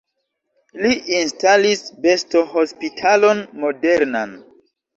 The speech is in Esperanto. Li instalis bestohospitalon modernan.